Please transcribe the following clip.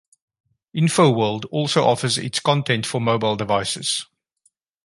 InfoWorld also offers its content for mobile devices.